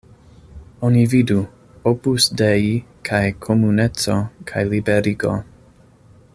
Oni vidu: Opus Dei kaj Komuneco kaj Liberigo.